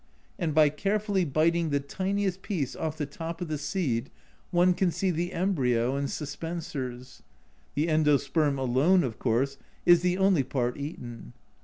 and by carefully biting the tiniest piece off the top of the seed one can see the embryo and suspensors ; the endosperm alone, of course, is the only part eaten.